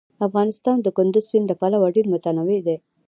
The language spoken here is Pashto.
افغانستان د کندز سیند له پلوه ډېر متنوع دی.